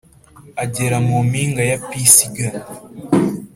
agera mu mpinga ya Pisiga,